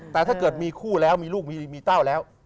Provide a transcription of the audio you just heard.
แต่ถ้าเกิดมีคู่แล้วมีลูกมีเต้าแล้ว